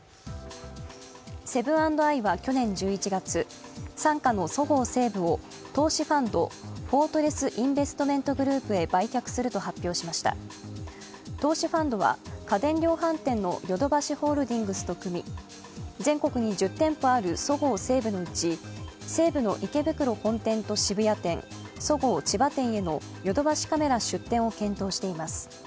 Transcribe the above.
セブン＆アイは去年１１月、傘下のそごう・西武を投資ファンド、フォートレス・インベストメント・グループへ売却すると発表しました投資ファンドは家電量販店のヨドバシホールディングスと組み、全国に１０店舗あるそごう・西武のうち西武の池袋本店と渋谷店、そごう千葉店へのヨドバシカメラ出店を検討しています。